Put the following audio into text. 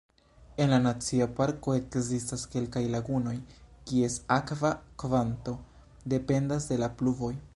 En la nacia parko ekzistas kelkaj lagunoj, kies akva kvanto dependas de la pluvoj.